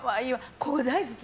ここ、大好き。